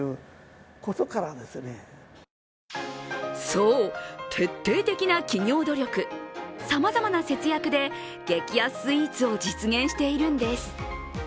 そう、徹底的な企業努力、さまざまな節約で激安スイーツを実現しているんです。